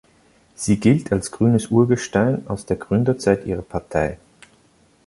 Sie gilt als grünes Urgestein aus der Gründerzeit ihrer Partei.